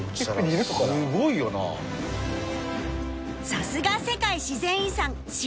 ［さすが世界自然遺産知床］